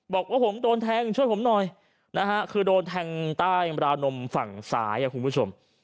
บอกว่าผมโดนแทงช่วยผมหน่อยคือโดนแทงประนมใต้๘๙๒ฝั่งซ้ายชิกูผู้ชม